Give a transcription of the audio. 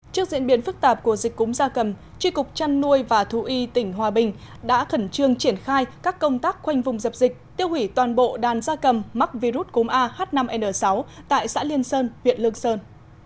trước diễn biến phức tạp của dịch cúng gia cầm tri cục trăn nuôi và thu y tỉnh hòa bình đã khẩn trương triển khai các công tác quanh vùng dập dịch tiêu hủy toàn bộ đàn gia cầm mắc virus cúng a h năm n sáu tại xã liên sơn huyện lương sơn